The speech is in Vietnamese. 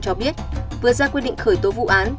cho biết vừa ra quyết định khởi tố vụ án